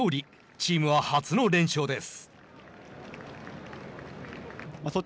チームは初の連勝です。